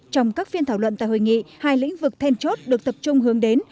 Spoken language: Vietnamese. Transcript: trong các phiên thảo luận tại hội nghị hai lĩnh vực then chốt được tập trung hướng đến